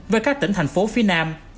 với các tỉnh thành phố phía nam